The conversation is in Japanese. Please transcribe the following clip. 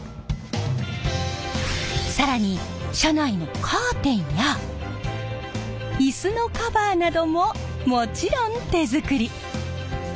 更に車内のカーテンやイスのカバーなどももちろん手作り！